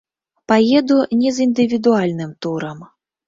Паеду не з індывідуальным турам.